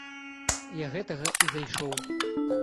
Я гэтага і зайшоў.